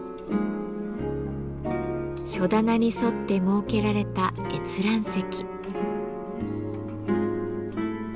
書棚に沿って設けられた閲覧席。